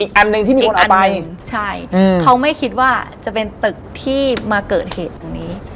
อันหนึ่งที่มีคนเอาไปใช่เขาไม่คิดว่าจะเป็นตึกที่มาเกิดเหตุตรงนี้